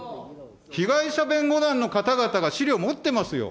被害者弁護団の方々が資料持ってますよ。